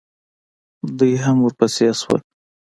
دوئ هم ورپسې شول.